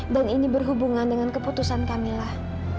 dan ini berhubungan dengan keputusan kamilah